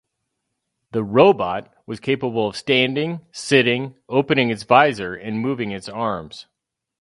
The 'robot' was capable of standing, sitting, opening its visor and moving its arms.